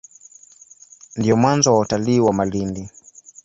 Ndio mwanzo wa utalii wa Malindi.